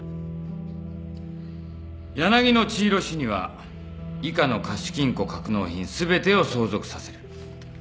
「柳野千尋氏には以下の貸金庫格納品全てを相続させる」